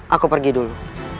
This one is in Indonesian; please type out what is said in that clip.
aku pergi dulu